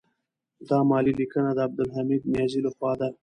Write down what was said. دا مالي لیکنه د عبدالحمید نیازی لخوا ده.